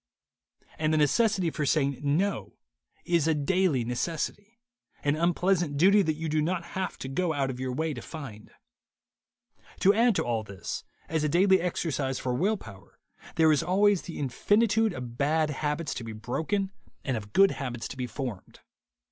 And the necessity for saying No is a daily necessity, an unpleasant duty that you do not have to go out of your way to find. To add to all this, as a daily exercise for will power, there is always the infinitude of bad habits to be broken and of good habits to be formed.